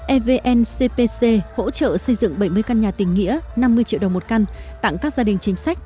evncpc hỗ trợ xây dựng bảy mươi căn nhà tình nghĩa năm mươi triệu đồng một căn tặng các gia đình chính sách